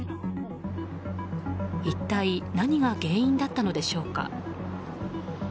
一体何が原因だったのでしょうか。